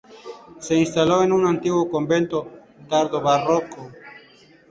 Se instaló en un antiguo convento tardobarroco.